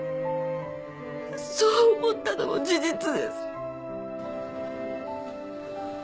そう思ったのも事実です